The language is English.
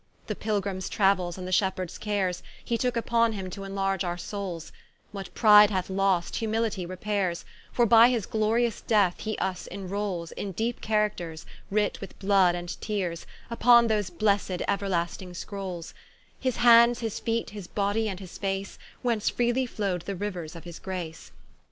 The Pilgrimes trauels, and the Shepheards cares, He tooke vpon him to enlarge our soules, What pride hath lost, humilitie repaires, For by his glorious death he vs in roules In deepe Characters, writ with blood and teares, Vpon those blessed Euerlasting scroules; His hands, his feete, his body, and his face, Whence freely flow'd the riuers of his grace.